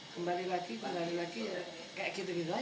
kembali lagi balari lagi kayak gitu gitu aja